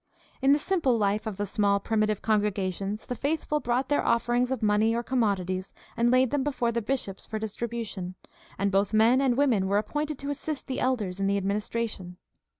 In the simple life of the small primitive con gregations the faithful brought their offerings of money or commodities and laid them before the bishops for distribution; and both men and women were appointed to assist the elders in the administration.